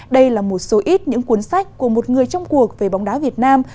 đây là một số ít những cuốn sách của một người trong cuộc về bóng đá việt nam